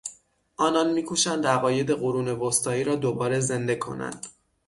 آنان میکوشند عقاید قرون وسطایی را دوباره زنده کنند.